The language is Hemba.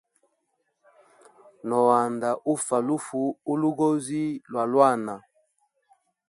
No anda ufa lufu ulugozi lwa lwana.